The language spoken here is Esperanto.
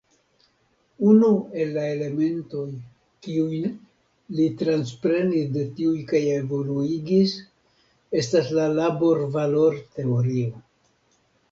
Unu el la elementoj, kiujn li transprenis de tiuj kaj evoluigis, estas la laborvalorteorio.